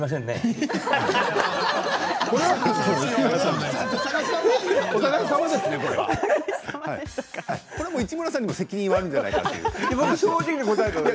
これは市村さんにも責任があるんじゃないかと。